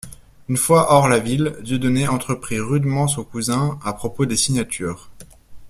Une fois hors la ville, Dieudonné entreprit rudement son cousin, à propos des signatures.